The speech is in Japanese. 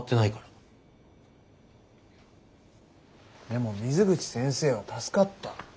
でも水口先生は助かった。